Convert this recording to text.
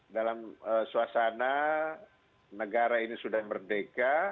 dalam suasana negara ini sudah merdeka